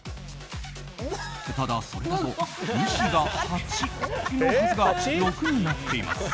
ただ、それだと西が８のはずが６になっています。